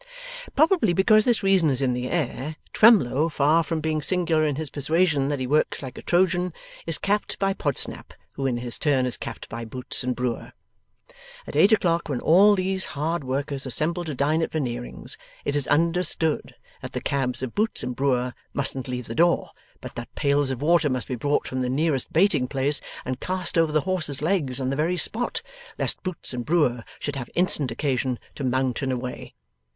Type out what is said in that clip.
Probably because this reason is in the air, Twemlow, far from being singular in his persuasion that he works like a Trojan, is capped by Podsnap, who in his turn is capped by Boots and Brewer. At eight o'clock when all these hard workers assemble to dine at Veneering's, it is understood that the cabs of Boots and Brewer mustn't leave the door, but that pails of water must be brought from the nearest baiting place, and cast over the horses' legs on the very spot, lest Boots and Brewer should have instant occasion to mount and away.